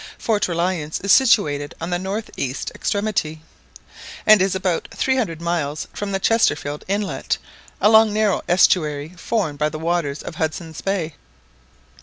Fort Reliance is situated on the north east extremity, and is about three hundred miles from the Chesterfield inlet, a long narrow estuary formed by the waters of Hudson's Bay.